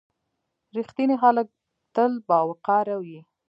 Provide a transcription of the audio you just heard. • رښتیني خلک تل باوقاره وي.